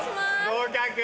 合格。